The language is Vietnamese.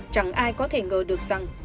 chẳng ai có thể ngờ được rằng